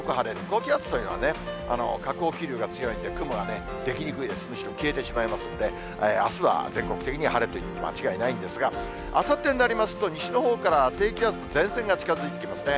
高気圧というのは、下降気流が強いんで雲が出来にくいです、むしろ消えてしまいますので、あすは全国的に晴れて、間違いないんですが、あさってになりますと、西のほうから低気圧と前線が近づいてきますね。